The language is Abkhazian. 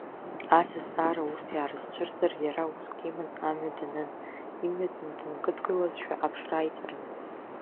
Ас азҵаара урҭ иаарызцәырҵыр иара уск иман амҩа данын, имҩатәны дынкыдгылазшәа аԥшра аиҭарын.